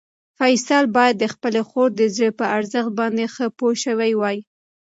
فیصل باید د خپلې خور د زړه په ارزښت باندې ښه پوه شوی وای.